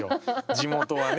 地元はね。